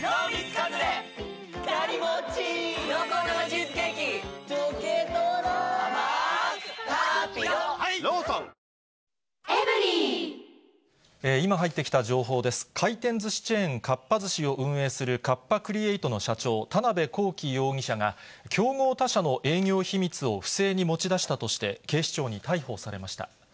回転ずしチェーン、かっぱ寿司を運営するカッパ・クリエイトの社長、田辺公己容疑者が、競合他社の営業秘密を不正に持ち出したとして、警視庁に逮捕されました。